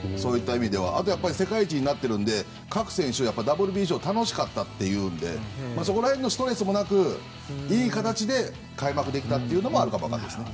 あと、世界一になってるので各選手、ＷＢＣが楽しかったっていうのでそこら辺のストレスもなくいい形で開幕できたというのもあるかもしれません。